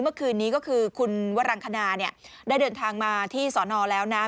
เมื่อคืนนี้ก็คือคุณวรังคณาเนี่ยได้เดินทางมาที่สอนอแล้วนะ